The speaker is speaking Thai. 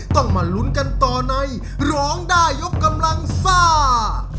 ต้องมาลุ้นกันต่อในร้องได้ยกกำลังซ่า